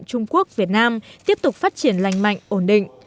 trung quốc việt nam tiếp tục phát triển lành mạnh ổn định